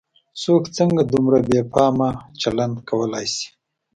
څوک څنګه دومره بې پامه چلن کولای شي.